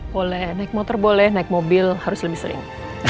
boleh naik motor boleh naik mobil harus lebih sering